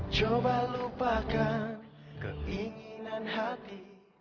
jhova lupakan keinginan hati